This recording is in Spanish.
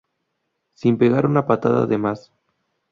Sin pegar una patada de más.